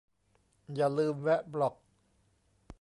อย่าลืมแวะบล็อก